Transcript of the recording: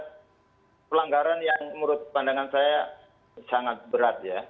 dan ini pelanggaran yang menurut pandangan saya sangat berat ya